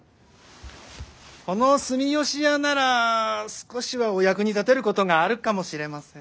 この住吉屋なら少しはお役に立てることがあるかもしれません。